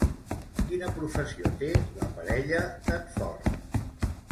Quina professió té la parella d'en Ford?